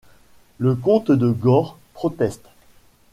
Le comte de Gaure proteste.